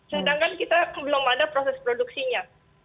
sedangkan kita belum ada proses produksinya